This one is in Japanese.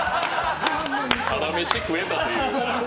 タダ飯食えたという。